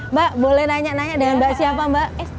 mbak boleh nanya nanya dengan mbak siapa mbak